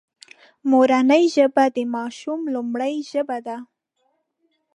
مورنۍ ژبه د ماشوم لومړۍ ژبه ده